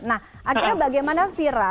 nah akhirnya bagaimana fira